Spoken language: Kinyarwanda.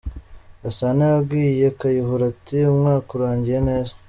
Gasana yabwiye Kayihura ati “Umwaka urangiye neza.